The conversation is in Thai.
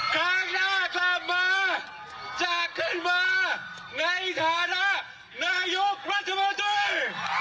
ข้างหน้ากลับมาจะขึ้นมาในฐานะยุครัฐบาที